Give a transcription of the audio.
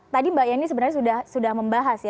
tadi mbak yeni sebenarnya sudah membahas ya